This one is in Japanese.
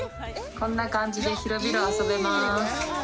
こんな感じで広々遊べます。